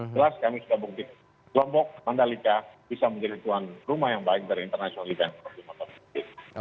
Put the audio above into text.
jelas kami sudah bukti lombok mandalika bisa menjadi tuan rumah yang baik dari international event